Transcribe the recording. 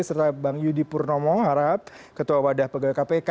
serta bang yudi purnomo harap ketua wadah pegawai kpk